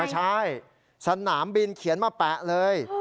ไม่ใช่สนามบินเขียนมาแปะเลยเฮ้ย